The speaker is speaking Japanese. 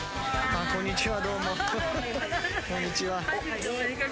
こんにちは。